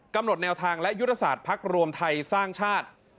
กำหนดแนวทางและยุทธศาสตร์พรรครวมไทยสร้างชาติ